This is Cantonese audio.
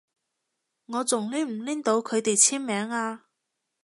我仲拎唔拎到佢哋簽名啊？